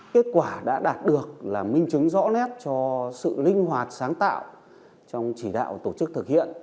kết quả đã đạt được là minh chứng rõ nét cho sự linh hoạt sáng tạo trong chỉ đạo tổ chức thực hiện